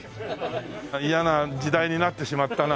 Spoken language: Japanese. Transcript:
嫌な時代になってしまったな。